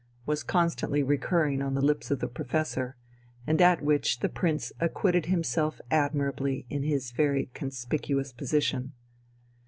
was constantly recurring on the lips of the Professor, and at which the Prince acquitted himself admirably in his very conspicuous position.